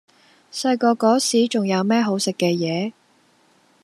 細個嗰時仲有咩好食嘅野？